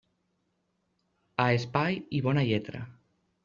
A espai i bona lletra.